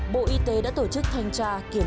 bởi vì ít người biết đến